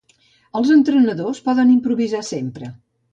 Els entrenadors podem improvisar sempre.